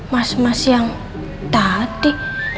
mas mas yang tadi